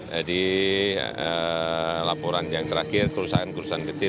jadi laporan yang terakhir perusahaan perusahaan kecil